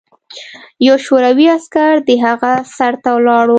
یو شوروي عسکر د هغه سر ته ولاړ و